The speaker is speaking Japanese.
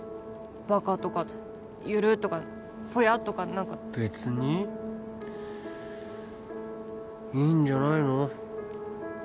「バカ」とか「ゆるっ」とか「ぽや」とか何かべつにいいんじゃないの？